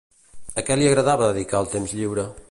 A què li agrada dedicar el temps lliure?